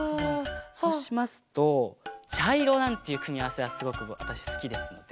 そうしますとちゃいろなんていうくみあわせはすごくわたしすきですので。